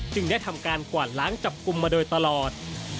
ได้ทำการกวาดล้างจับกลุ่มมาโดยตลอด